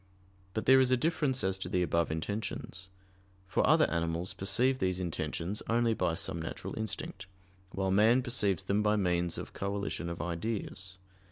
But there is a difference as to the above intentions: for other animals perceive these intentions only by some natural instinct, while man perceives them by means of coalition of ideas.